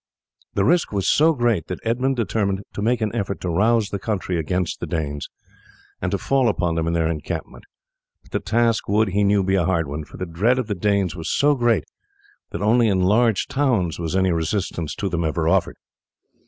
The risk was so great that Edmund determined to make an effort to rouse the country against the Danes, and to fall upon them in their encampment; but the task would he knew be a hard one, for the dread of the Danes was so great that only in large towns was any resistance to them ever offered.